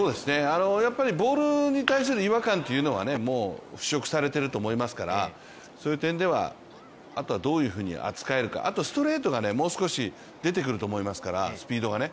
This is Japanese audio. やっぱりボールに対する違和感というのは、ふっしょくされていると思いますから、そういう点ではあとはどういうふうに扱えるかあとはストレートが出てくると思いますから、スピードがね。